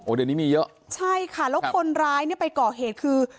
เดี๋ยวนี้มีเยอะใช่ค่ะแล้วคนร้ายเนี่ยไปก่อเหตุคือ